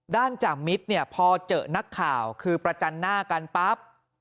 จ่ามิตรเนี่ยพอเจอนักข่าวคือประจันหน้ากันปั๊บ